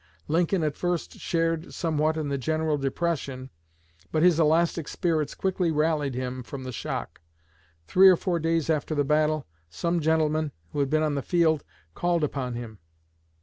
Lincoln at first shared somewhat in the general depression, but his elastic spirits quickly rallied from the shock. Three or four days after the battle, some gentlemen who had been on the field called upon him.